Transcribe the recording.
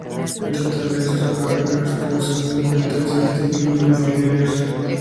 En total la aristócrata ostentó cincuenta y seis títulos nobiliarios.